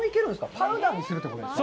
パウダーにするということですか？